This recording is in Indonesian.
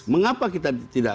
mengapa kita tidak